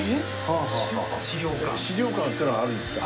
資料館ってのがあるんですか？